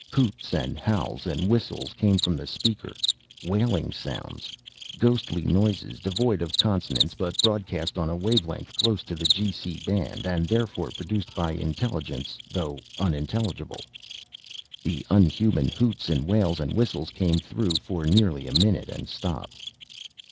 Hoots and howls and whistles came from the speaker. Wailing sounds. Ghostly noises, devoid of consonants but broadcast on a wave length close to the G.C. band and therefore produced by intelligence, though unintelligible. The unhuman hoots and wails and whistles came through for nearly a minute, and stopped.